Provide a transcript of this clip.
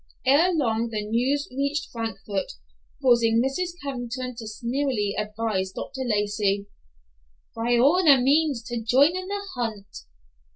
Ere long the news reached Frankfort, causing Mrs. Carrington to sneeringly advise Dr. Lacey "by all means to join in the hunt."